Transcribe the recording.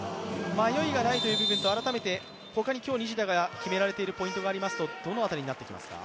迷いがないという部分と、改めて他に今日、西田が決められているポイントがありますとどの辺りになりますか？